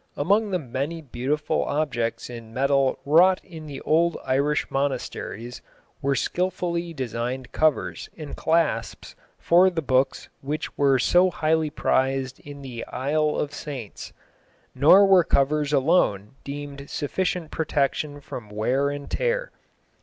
Among the many beautiful objects in metal wrought in the old Irish monasteries were skilfully designed covers and clasps for the books which were so highly prized in the "Isle of Saints." Nor were covers alone deemed sufficient protection from wear and tear.